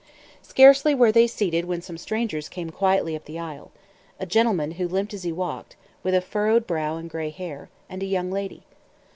Scarcely were they seated when some strangers came quietly up the aisle a gentleman who limped as he walked, with a furrowed brow and gray hair; and a young lady.